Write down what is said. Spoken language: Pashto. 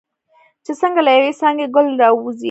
چې څنګه له یوې څانګې ګل راوځي.